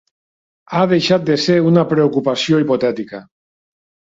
Ha deixat de ser una preocupació hipotètica.